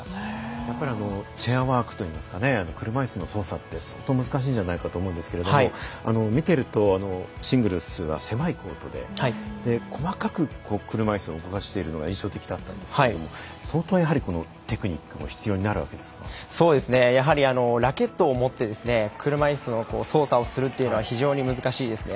やっぱりチェアワークといいますか車いすの操作って相当難しいんじゃないかと思うんですけれども見ていると、シングルスは狭いコートで細かく車いすを動かしているのが印象的だったんですけれども相当やはり、テクニックもそうですねやはりラケットを持って車いすの操作をするというのは非常に難しいですね。